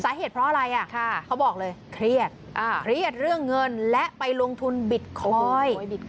สาเหตุเพราะอะไรเขาบอกเลยเครียดเครียดเรื่องเงินและไปลงทุนบิตคอยน์